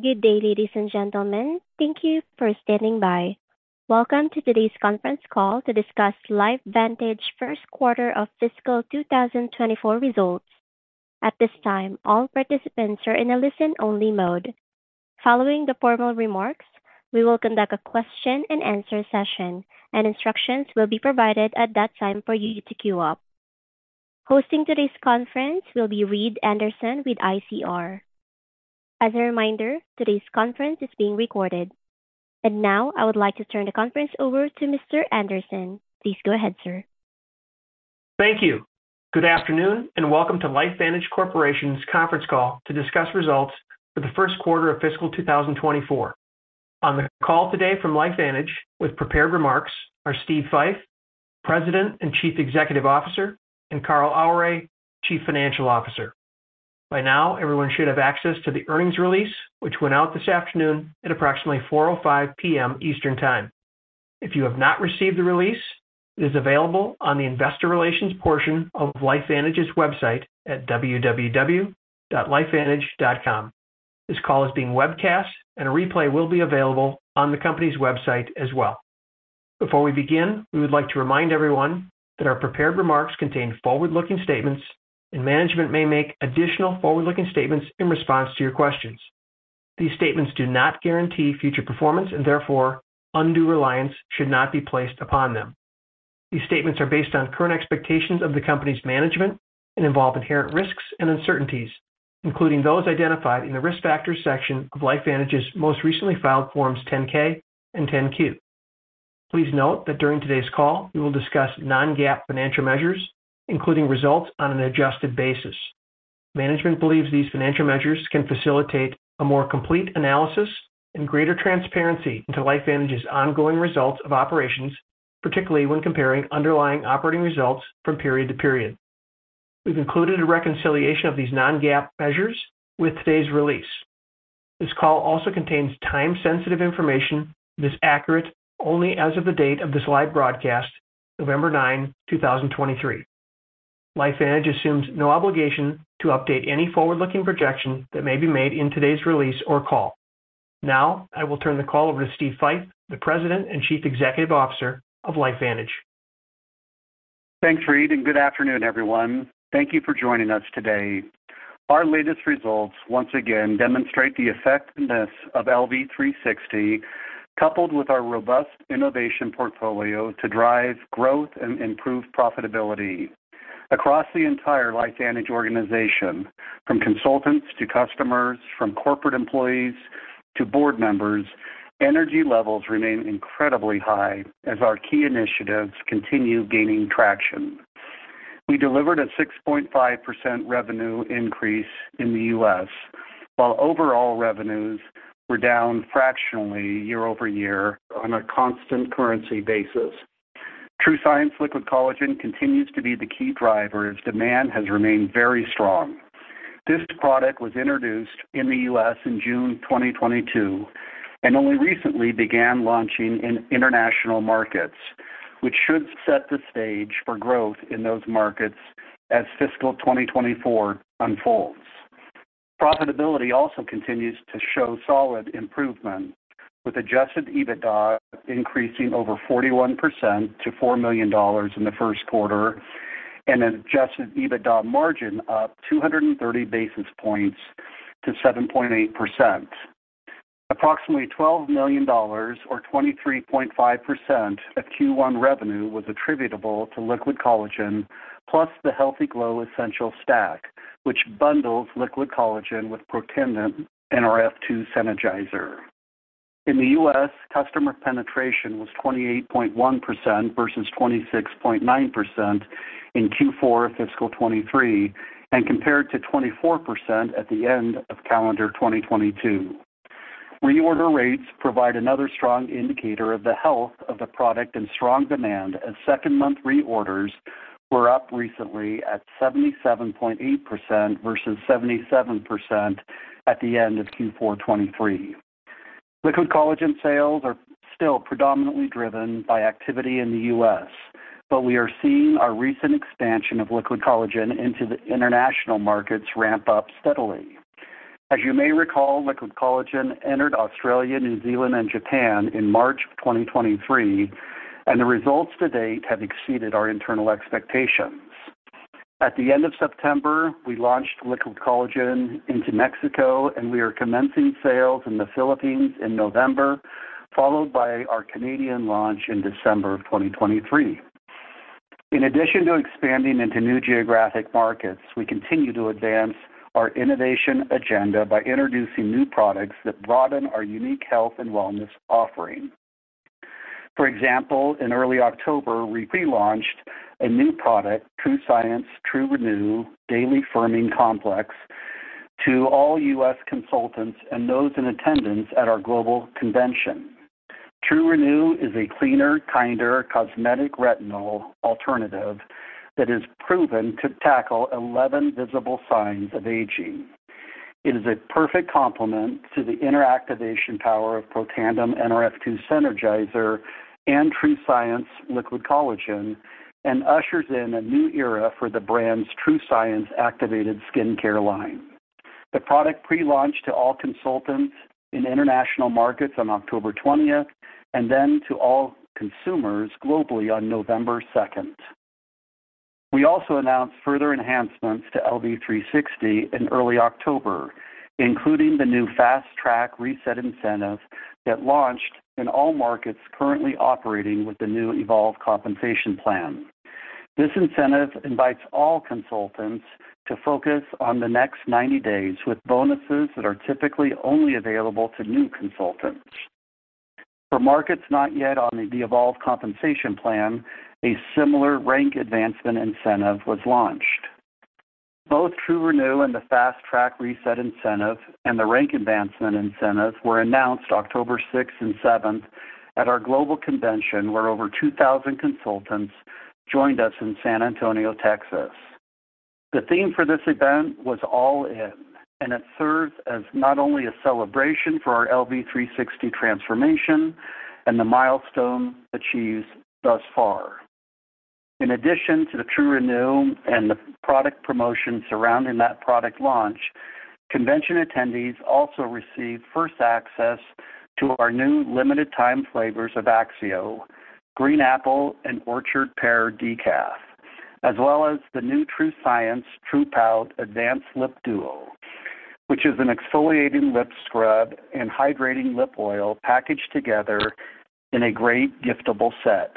Good day, ladies and gentlemen. Thank you for standing by. Welcome to today's conference call to discuss LifeVantage Q1 of fiscal 2024 results. At this time, all participants are in a listen-only mode. Following the formal remarks, we will conduct a question-and-answer session, and instructions will be provided at that time for you to queue up. Hosting today's conference will be Reed Anderson with ICR. As a reminder, today's conference is being recorded. And now I would like to turn the conference over to Mr. Anderson. Please go ahead, sir. Thank you. Good afternoon, and welcome to LifeVantage Corporation's Conference Call to discuss results for the Q1 of fiscal 2024. On the call today from LifeVantage with prepared remarks are Steve Fife, President and Chief Executive Officer, and Carl Aure, Chief Financial Officer. By now, everyone should have access to the earnings release, which went out this afternoon at approximately 4:30 P.M. Eastern Time. If you have not received the release, it is available on the investor relations portion of LifeVantage's website at www.lifevantage.com. This call is being webcast, and a replay will be available on the company's website as well. Before we begin, we would like to remind everyone that our prepared remarks contain forward-looking statements, and management may make additional forward-looking statements in response to your questions. These statements do not guarantee future performance, and therefore, undue reliance should not be placed upon them. These statements are based on current expectations of the company's management and involve inherent risks and uncertainties, including those identified in the Risk Factors section of LifeVantage's most recently filed Forms 10-K and 10-Q. Please note that during today's call, we will discuss non-GAAP financial measures, including results on an adjusted basis. Management believes these financial measures can facilitate a more complete analysis and greater transparency into LifeVantage's ongoing results of operations, particularly when comparing underlying operating results from period to period. We've included a reconciliation of these non-GAAP measures with today's release. This call also contains time-sensitive information that is accurate only as of the date of this live broadcast, November 9, 2023. LifeVantage assumes no obligation to update any forward-looking projection that may be made in today's release or call. Now, I will turn the call over to Steve Fife, the President and Chief Executive Officer of LifeVantage. Thanks, Reed, and good afternoon, everyone. Thank you for joining us today. Our latest results once again demonstrate the effectiveness of LV360, coupled with our robust innovation portfolio, to drive growth and improve profitability. Across the entire LifeVantage organization, from consultants to customers, from corporate employees to board members, energy levels remain incredibly high as our key initiatives continue gaining traction. We delivered a 6.5% revenue increase in the U.S., while overall revenues were down fractionally year-over-year on a constant currency basis. TrueScience Liquid Collagen continues to be the key driver as demand has remained very strong. This product was introduced in the U.S. in June 2022 and only recently began launching in international markets, which should set the stage for growth in those markets as fiscal 2024 unfolds. Profitability also continues to show solid improvement, with Adjusted EBITDA increasing over 41% to $4 million in the Q1 and an Adjusted EBITDA margin up 230 basis points to 7.8%. Approximately $12 million or 23.5% of Q1 revenue was attributable to liquid collagen, plus the Healthy Glow Essentials Stack, which bundles liquid collagen with Protandim Nrf2 Synergizer. In the U.S., customer penetration was 28.1% versus 26.9% in Q4 fiscal 2023 and compared to 24% at the end of calendar 2022. Reorder rates provide another strong indicator of the health of the product and strong demand, as second-month reorders were up recently at 77.8% versus 77% at the end of Q4 2023. Liquid Collagen sales are still predominantly driven by activity in the U.S., but we are seeing our recent expansion of Liquid Collagen into the international markets ramp up steadily. As you may recall, Liquid Collagen entered Australia, New Zealand, and Japan in March 2023, and the results to date have exceeded our internal expectations. At the end of September, we launched Liquid Collagen into Mexico, and we are commencing sales in the Philippines in November, followed by our Canadian launch in December 2023. In addition to expanding into new geographic markets, we continue to advance our innovation agenda by introducing new products that broaden our unique health and wellness offering. For example, in early October, we pre-launched a new product, TrueScience TrueRenew Daily Firming Complex, to all U.S. consultants and those in attendance at our global convention. TrueRenew is a cleaner, kinder cosmetic retinol alternative that is proven to tackle 11 visible signs of aging. It is a perfect complement to the inner activation power of Protandim Nrf2 Synergizer and TrueScience Liquid Collagen and ushers in a new era for the brand's TrueScience Activated Skincare. The product pre-launched to all consultants in international markets on October 20th, and then to all consumers globally on November 2nd. We also announced further enhancements to LV360 in early October, including the new Fast Track Reset incentive that launched in all markets currently operating with the new Evolve Compensation Plan. This incentive invites all consultants to focus on the next 90 days, with bonuses that are typically only available to new consultants. For markets not yet on the Evolve Compensation Plan, a similar rank advancement incentive was launched. Both TrueRenew and the fast track reset incentive and the rank advancement incentive were announced October sixth and seventh at our global convention, where over 2,000 consultants joined us in San Antonio, Texas. The theme for this event was All In, and it served as not only a celebration for our LV360 transformation and the milestone achieved thus far. In addition to the TrueRenew and the product promotion surrounding that product launch, convention attendees also received first access to our new limited time flavors of AXIO, Green Apple and Orchard Pear Decaf, as well as the new TrueScience TruePout Advanced Lip Duo, which is an exfoliating lip scrub and hydrating lip oil packaged together in a great giftable set.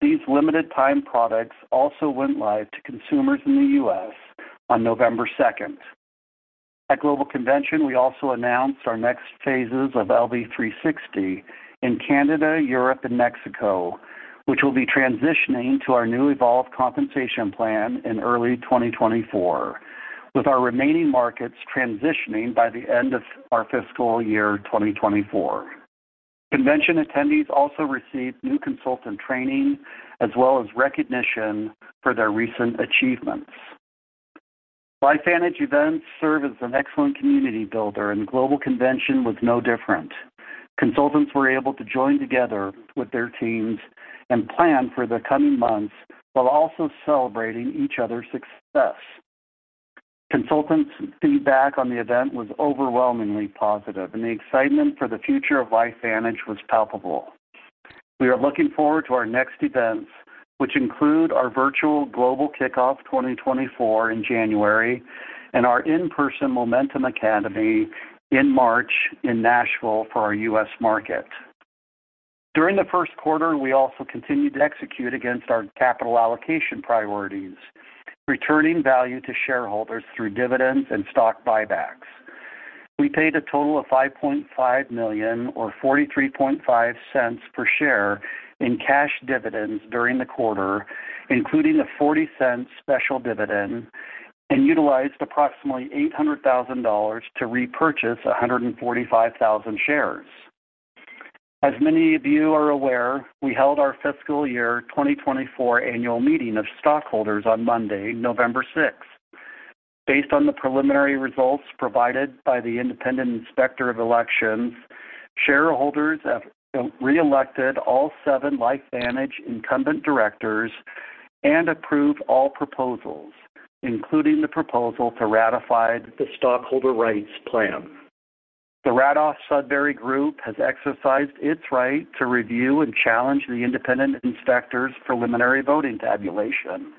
These limited time products also went live to consumers in the U.S. on November second. At Global Convention, we also announced our next phases of LV360 in Canada, Europe, and Mexico, which will be transitioning to our new Evolve Compensation Plan in early 2024, with our remaining markets transitioning by the end of our fiscal year 2024. Convention attendees also received new consultant training as well as recognition for their recent achievements. LifeVantage events serve as an excellent community builder, and Global Convention was no different. Consultants were able to join together with their teams and plan for the coming months, while also celebrating each other's success. Consultants' feedback on the event was overwhelmingly positive, and the excitement for the future of LifeVantage was palpable. We are looking forward to our next events, which include our virtual Global Kickoff 2024 in January and our in-person Momentum Academy in March in Nashville for our U.S. market. During the Q1, we also continued to execute against our capital allocation priorities, returning value to shareholders through dividends and stock buybacks. We paid a total of $5.5 million, or $0.435 per share in cash dividends during the quarter, including the $0.40 special dividend, and utilized approximately $800,000 to repurchase 145,000 shares. As many of you are aware, we held our fiscal year 2024 annual meeting of stockholders on Monday, November sixth. Based on the preliminary results provided by the Independent Inspector of Elections, shareholders have reelected all seven LifeVantage incumbent directors and approved all proposals, including the proposal to ratify the Stockholder Rights Plan. The Radoff Sudbury Group has exercised its right to review and challenge the independent inspector's preliminary voting tabulation.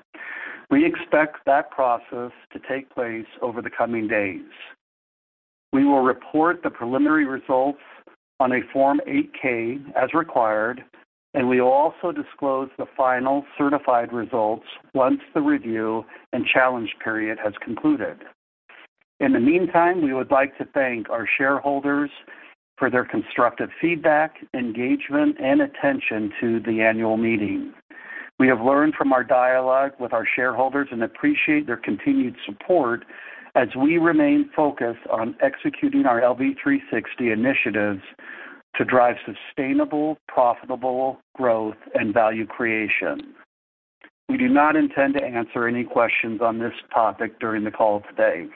We expect that process to take place over the coming days. We will report the preliminary results on a Form 8-K as required, and we will also disclose the final certified results once the review and challenge period has concluded. In the meantime, we would like to thank our shareholders for their constructive feedback, engagement, and attention to the annual meeting. We have learned from our dialogue with our shareholders and appreciate their continued support as we remain focused on executing our LV360 initiatives to drive sustainable, profitable growth and value creation. We do not intend to answer any questions on this topic during the call today.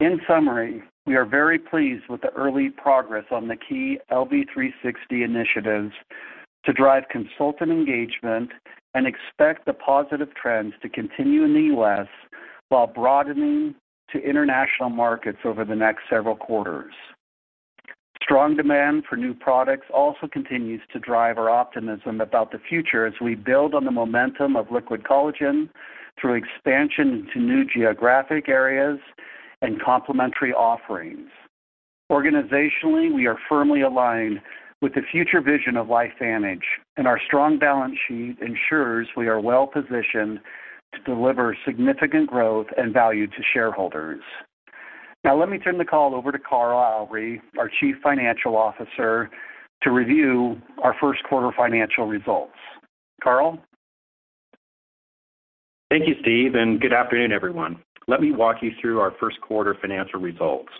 In summary, we are very pleased with the early progress on the key LV360 initiatives to drive consultant engagement and expect the positive trends to continue in the U.S., while broadening to international markets over the next several quarters. Strong demand for new products also continues to drive our optimism about the future as we build on the momentum of liquid collagen through expansion into new geographic areas and complementary offerings. Organizationally, we are firmly aligned with the future vision of LifeVantage, and our strong balance sheet ensures we are well positioned to deliver significant growth and value to shareholders. Now, let me turn the call over to Carl Aure, our Chief Financial Officer, to review our Q1 financial results. Carl? Thank you, Steve, and good afternoon, everyone. Let me walk you through our Q1 financial results.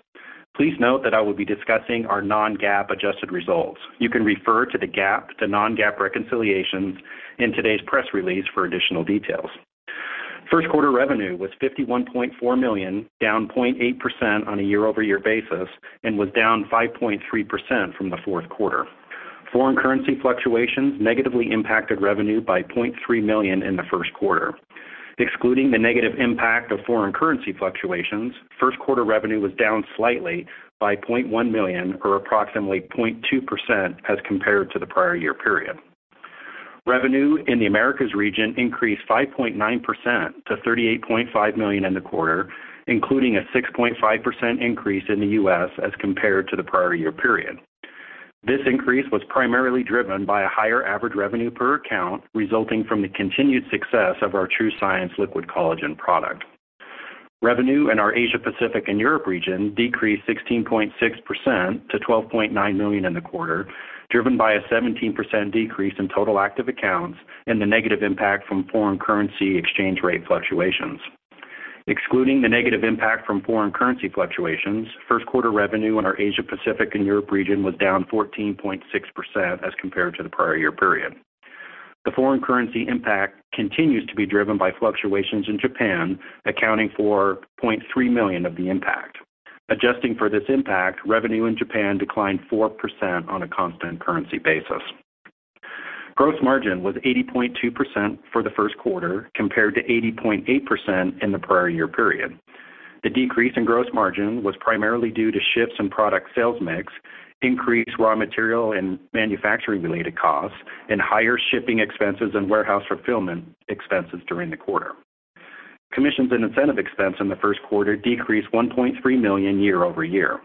Please note that I will be discussing our non-GAAP adjusted results. You can refer to the GAAP to non-GAAP reconciliations in today's press release for additional details. Q1 revenue was $51.4 million, down 0.8% on a year-over-year basis and was down 5.3% from the Q4. Foreign currency fluctuations negatively impacted revenue by $0.3 million in the Q1. Excluding the negative impact of foreign currency fluctuations, Q1 revenue was down slightly by $0.1 million, or approximately 0.2% as compared to the prior year period. Revenue in the Americas region increased 5.9% to $38.5 million in the quarter, including a 6.5% increase in the U.S. as compared to the prior year period. This increase was primarily driven by a higher average revenue per account, resulting from the continued success of our TrueScience Liquid Collagen product. Revenue in our Asia Pacific and Europe region decreased 16.6% to $12.9 million in the quarter, driven by a 17% decrease in total active accounts and the negative impact from foreign currency exchange rate fluctuations. Excluding the negative impact from foreign currency fluctuations, Q1 revenue in our Asia Pacific and Europe region was down 14.6% as compared to the prior year period. The foreign currency impact continues to be driven by fluctuations in Japan, accounting for $0.3 million of the impact. Adjusting for this impact, revenue in Japan declined 4% on a constant currency basis. Gross margin was 80.2% for the Q1, compared to 80.8% in the prior year period. The decrease in gross margin was primarily due to shifts in product sales mix, increased raw material and manufacturing-related costs, and higher shipping expenses and warehouse fulfillment expenses during the quarter. Commissions and incentive expense in the Q1 decreased $1.3 million year-over-year.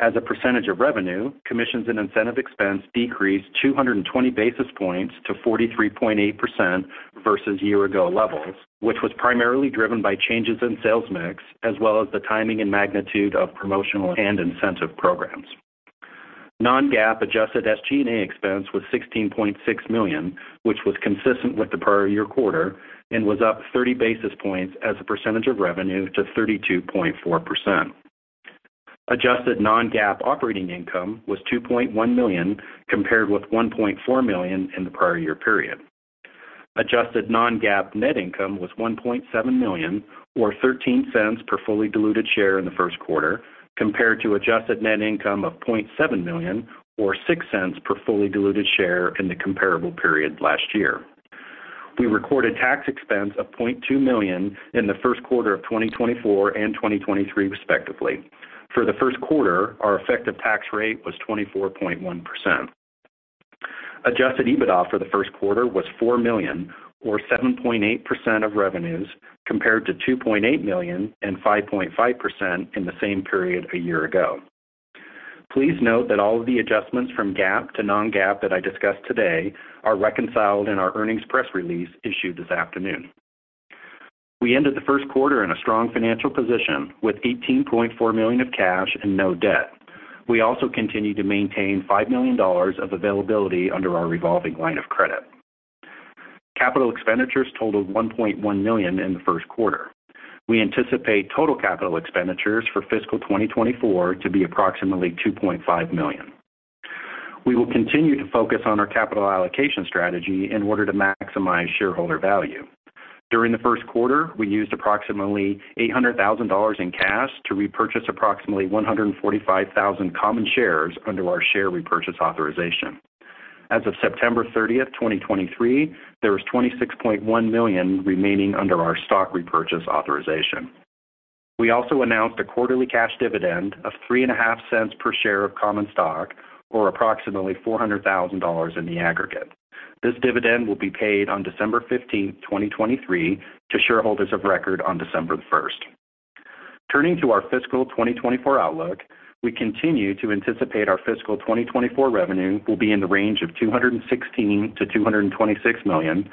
As a percentage of revenue, commissions and incentive expense decreased 220 basis points to 43.8% versus year-ago levels, which was primarily driven by changes in sales mix, as well as the timing and magnitude of promotional and incentive programs. Non-GAAP adjusted SG&A expense was $16.6 million, which was consistent with the prior year quarter and was up 30 basis points as a percentage of revenue to 32.4%. Adjusted non-GAAP operating income was $2.1 million, compared with $1.4 million in the prior year period. Adjusted non-GAAP net income was $1.7 million, or $0.13 per fully diluted share in the Q1, compared to adjusted net income of $0.7 million, or $0.06 per fully diluted share in the comparable period last year. We recorded tax expense of $0.2 million in the Q1 of 2024 and 2023, respectively. For the Q1, our effective tax rate was 24.1%. Adjusted EBITDA for the Q1 was $4 million, or 7.8% of revenues, compared to $2.8 million and 5.5% in the same period a year ago. Please note that all of the adjustments from GAAP to non-GAAP that I discussed today are reconciled in our earnings press release issued this afternoon. We ended the Q1 in a strong financial position with $18.4 million of cash and no debt. We also continued to maintain $5 million of availability under our revolving line of credit. Capital expenditures totaled $1.1 million in the Q1. We anticipate total capital expenditures for fiscal 2024 to be approximately $2.5 million. We will continue to focus on our capital allocation strategy in order to maximize shareholder value. During the Q1, we used approximately $800,000 in cash to repurchase approximately 145,000 common shares under our share repurchase authorization. As of September 30, 2023, there was $26.1 million remaining under our stock repurchase authorization. We also announced a quarterly cash dividend of $0.035 per share of common stock, or approximately $400,000 in the aggregate. This dividend will be paid on December fifteenth, 2023, to shareholders of record on December first. Turning to our fiscal 2024 outlook, we continue to anticipate our fiscal 2024 revenue will be in the range of $216 million to $226 million,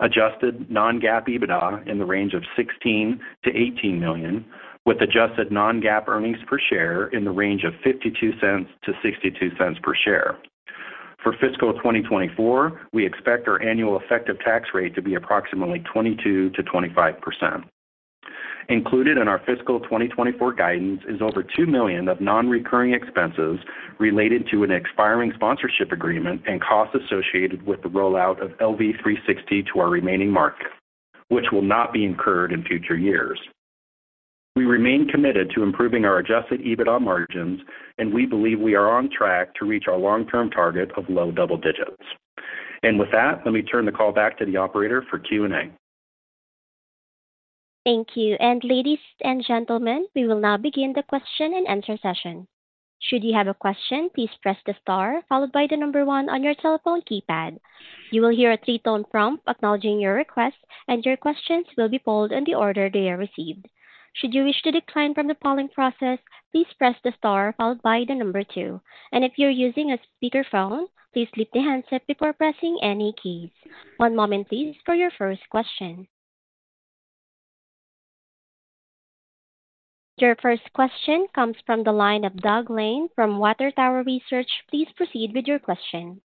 adjusted non-GAAP EBITDA in the range of $16 million to $18 million, with adjusted non-GAAP earnings per share in the range of $0.52 to $0.62 per share. For fiscal 2024, we expect our annual effective tax rate to be approximately 22% to 25%. Included in our fiscal 2024 guidance is over $2 million of non-recurring expenses related to an expiring sponsorship agreement and costs associated with the rollout of LV360 to our remaining markets, which will not be incurred in future years. We remain committed to improving our adjusted EBITDA margins, and we believe we are on track to reach our long-term target of low double digits. With that, let me turn the call back to the operator for Q&A. Thank you. Ladies and gentlemen, we will now begin the question-and-answer session. Should you have a question, please press the star followed by the number one on your telephone keypad. You will hear a three-tone prompt acknowledging your request, and your questions will be polled in the order they are received. Should you wish to decline from the polling process, please press the star followed by the number two. And if you're using a speakerphone, please lift the handset before pressing any keys. One moment please, for your first question. Your first question comes from the line of Doug Lane from Water Tower Research. Please proceed with your question.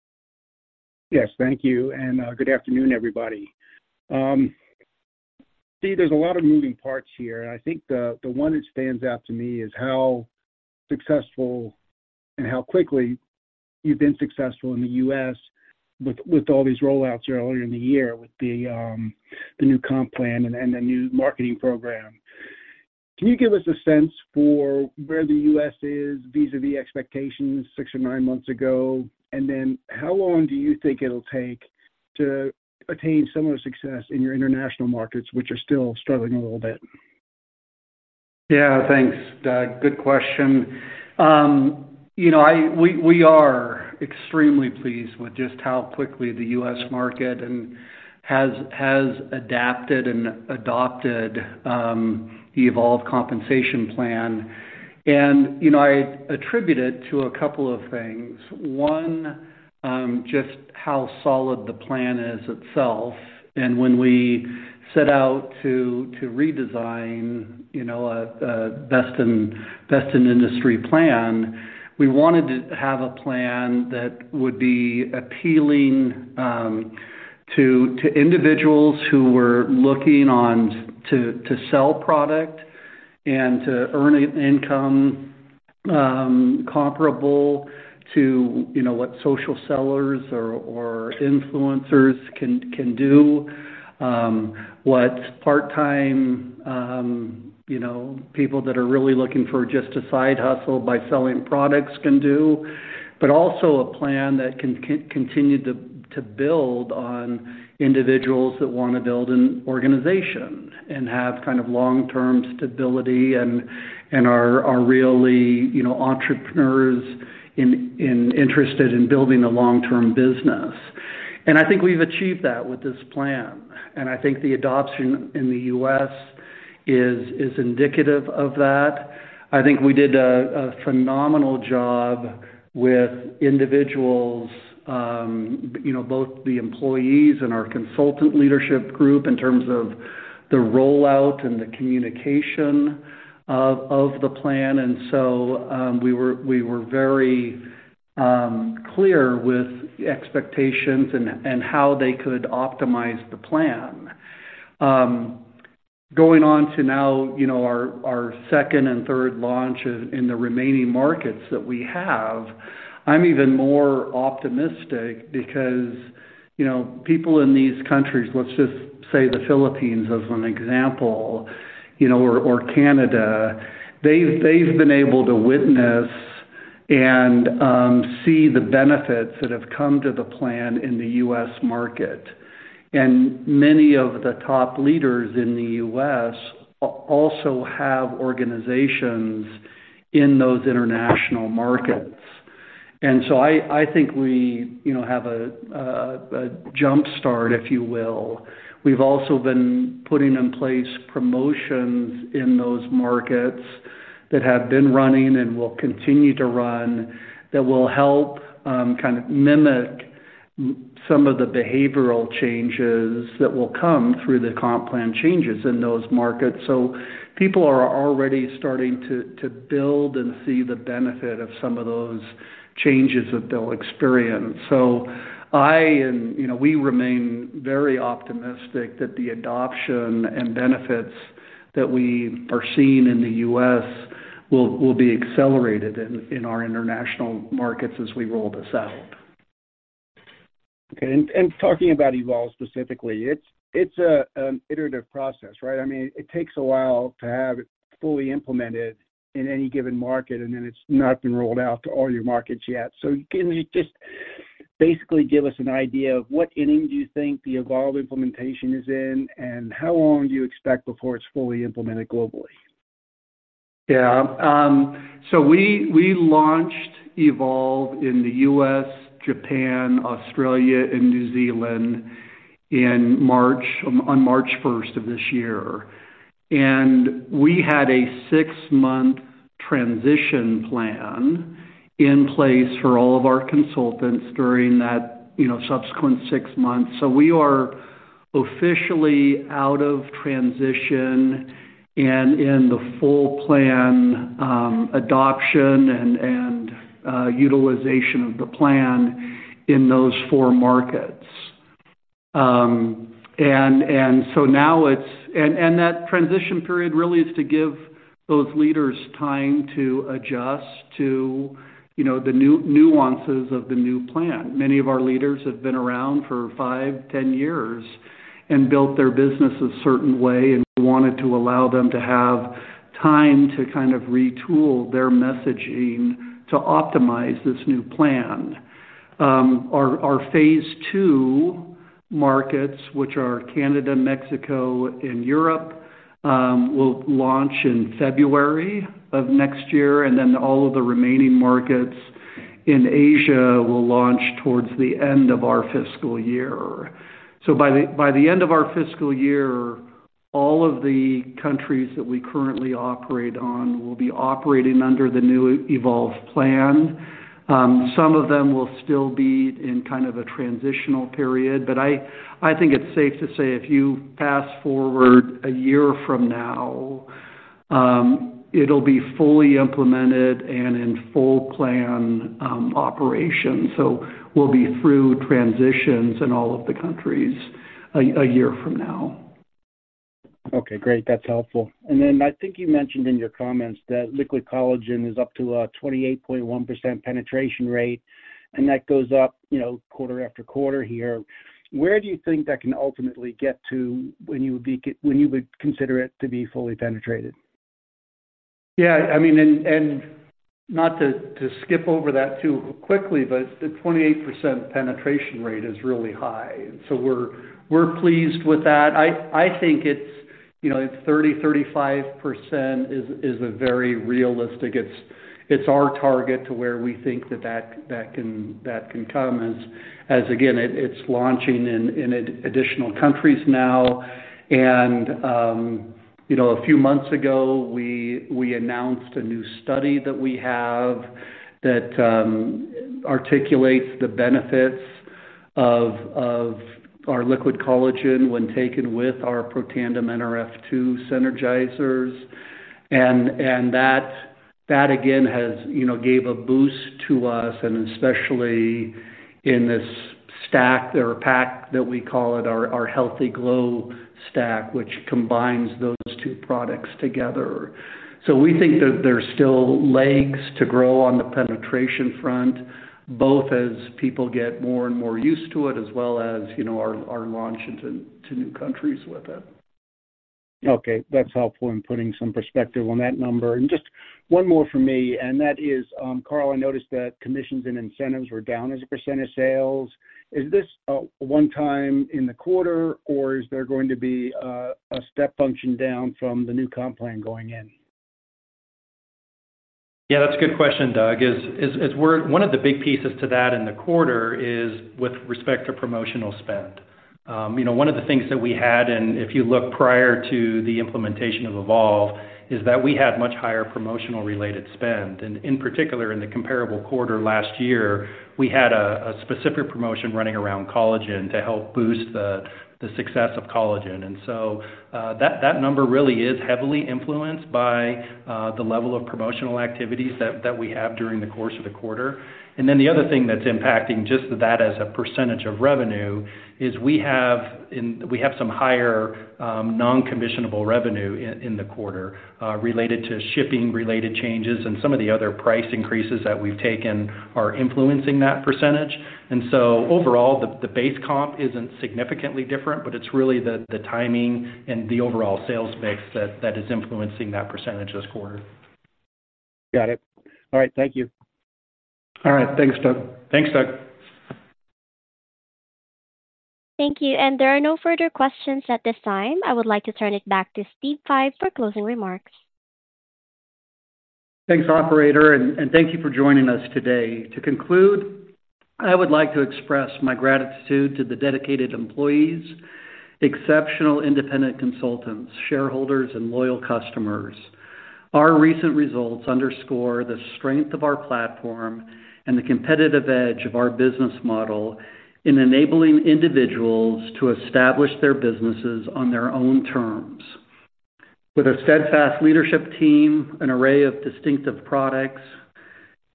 Yes, thank you, and good afternoon, everybody. See, there's a lot of moving parts here, and I think the one that stands out to me is how successful and how quickly you've been successful in the U.S. with all these rollouts earlier in the year with the new comp plan and the new marketing program. Can you give us a sense for where the U.S. is vis-a-vis expectations six or nine months ago? And then how long do you think it'll take to attain similar success in your international markets, which are still struggling a little bit? Yeah, thanks, Doug. Good question. You know, I, we, we are extremely pleased with just how quickly the U.S. market and has, has adapted and adopted, the Evolve Compensation Plan. And, you know, I attribute it to a couple of things. One, just how solid the plan is itself. And when we set out to, to redesign, you know, a, a best in, best in industry plan, we wanted to have a plan that would be appealing, to, to individuals who were looking on to, to sell product and to earn an income, comparable to, you know, what social sellers or influencers can, can do. What part-time, you know, people that are really looking for just a side hustle by selling products can do, but also a plan that can continue to build on individuals that want to build an organization and have kind of long-term stability and are really, you know, entrepreneurs and interested in building a long-term business. I think we've achieved that with this plan, and I think the adoption in the U.S. is indicative of that. I think we did a phenomenal job with individuals, you know, both the employees and our consultant leadership group, in terms of the rollout and the communication of the plan. So, we were very clear with expectations and how they could optimize the plan. Going on to now, you know, our second and third launch in the remaining markets that we have, I'm even more optimistic because, you know, people in these countries, let's just say the Philippines as an example, you know, or Canada, they've been able to witness and see the benefits that have come to the plan in the U.S. market. And many of the top leaders in the U.S. also have organizations in those international markets. And so I think we, you know, have a jump start, if you will. We've also been putting in place promotions in those markets that have been running and will continue to run, that will help kind of mimic some of the behavioral changes that will come through the comp plan changes in those markets. So people are already starting to build and see the benefit of some of those changes that they'll experience. So I, you know, we remain very optimistic that the adoption and benefits that we are seeing in the U.S. will be accelerated in our international markets as we roll this out. Okay. And talking about Evolve specifically, it's a iterative process, right? I mean, it takes a while to have it fully implemented in any given market, and then it's not been rolled out to all your markets yet. So can you just basically give us an idea of what inning do you think the Evolve implementation is in, and how long do you expect before it's fully implemented globally? Yeah. So we launched Evolve in the U.S., Japan, Australia, and New Zealand on March first of this year, and we had a six-month transition plan in place for all of our consultants during that, you know, subsequent six months. So we are officially out of transition and in the full plan adoption and utilization of the plan in those four markets. And so now it's and that transition period really is to give those leaders time to adjust to, you know, the new nuances of the new plan. Many of our leaders have been around for five, 10 years and built their business a certain way, and we wanted to allow them to have time to kind of retool their messaging to optimize this new plan. Our phase two markets, which are Canada, Mexico, and Europe, will launch in February of next year, and then all of the remaining markets in Asia will launch towards the end of our fiscal year. So by the end of our fiscal year, all of the countries that we currently operate on will be operating under the new Evolve Plan. Some of them will still be in kind of a transitional period, but I think it's safe to say if you fast-forward a year from now, it'll be fully implemented and in full plan operation. So we'll be through transitions in all of the countries a year from now. Okay, great. That's helpful. And then I think you mentioned in your comments that liquid collagen is up to a 28.1% penetration rate, and that goes up, you know, quarter after quarter here. Where do you think that can ultimately get to when you would consider it to be fully penetrated? Yeah, I mean, and not to skip over that too quickly, but the 28% penetration rate is really high, so we're pleased with that. I think it's, you know, it's 35% is a very realistic. It's our target to where we think that that can come as again, it's launching in additional countries now. And, you know, a few months ago, we announced a new study that we have that articulates the benefits of our liquid collagen when taken with our Protandim Nrf2 Synergizers. And that again has, you know, gave a boost to us, and especially in this stack or pack that we call it, our healthy glow stack, which combines those two products together. So we think that there's still legs to grow on the penetration front, both as people get more and more used to it, as well as, you know, our launch into new countries with it. Okay, that's helpful in putting some perspective on that number. And just one more from me, and that is, Carl, I noticed that commissions and incentives were down as a percent of sales. Is this, one time in the quarter, or is there going to be a step function down from the new comp plan going in? Yeah, that's a good question, Doug. One of the big pieces to that in the quarter is with respect to promotional spend. You know, one of the things that we had, and if you look prior to the implementation of Evolve, is that we had much higher promotional-related spend. And in particular, in the comparable quarter last year, we had a specific promotion running around collagen to help boost the success of collagen. And so, that number really is heavily influenced by the level of promotional activities that we have during the course of the quarter. And then the other thing that's impacting just that as a percentage of revenue is we have some higher non-commissionable revenue in the quarter related to shipping-related changes and some of the other price increases that we've taken are influencing that percentage. And so overall, the base comp isn't significantly different, but it's really the timing and the overall sales mix that is influencing that percentage this quarter. Got it. All right. Thank you. All right. Thanks, Doug. Thanks, Doug. Thank you. There are no further questions at this time. I would like to turn it back to Steve Fife for closing remarks. Thanks, operator, and thank you for joining us today. To conclude, I would like to express my gratitude to the dedicated employees, exceptional independent consultants, shareholders, and loyal customers. Our recent results underscore the strength of our platform and the competitive edge of our business model in enabling individuals to establish their businesses on their own terms. With a steadfast leadership team, an array of distinctive products,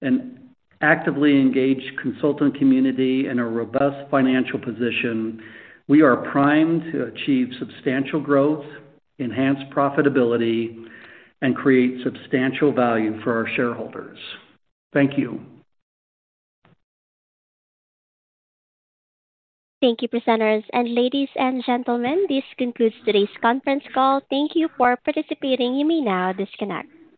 an actively engaged consultant community, and a robust financial position, we are primed to achieve substantial growth, enhance profitability, and create substantial value for our shareholders. Thank you. Thank you, presenters, and ladies and gentlemen, this concludes today's conference call. Thank you for participating. You may now disconnect.